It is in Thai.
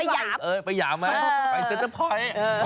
ไปหยาบเออไปหยาบไหมไปเซ็นเตอร์พร้อย